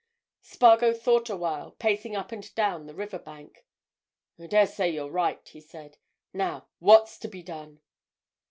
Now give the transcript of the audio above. Spargo thought awhile, pacing up and down the river bank. "I daresay you're right," he said. "Now, what's to be done?"